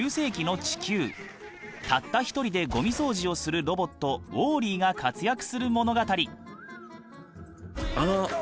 たった一人でゴミ掃除をするロボットウォーリーが活躍する物語。